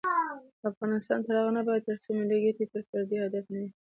افغانستان تر هغو نه ابادیږي، ترڅو ملي ګټې د فردي هدف نه وي.